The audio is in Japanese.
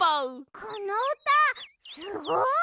このうたすごい！